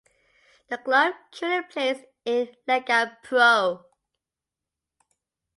The club currently plays in Lega Pro.